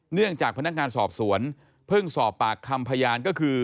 เนื่องจากพนักงานสอบสวนเพิ่งสอบปากคำพยานก็คือ